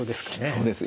そうです。